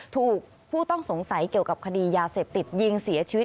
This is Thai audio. ถูกผู้ต้องสงสัยเกี่ยวกับคดียาเสพติดยิงเสียชีวิต